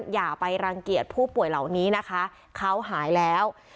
อย่าไปรังเกียจผู้ป่วยเหล่านี้นะคะเขาหายแล้ว